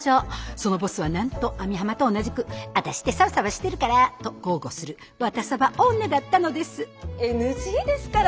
そのボスはなんと網浜と同じく「ワタシってサバサバしてるから」と豪語する「ワタサバ女」だったのですＮＧですから。